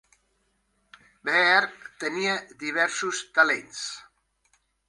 Beer tenia diversos talents.